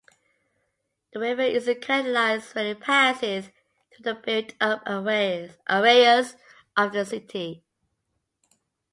The river is canalised where it passes through the built-up areas of the city.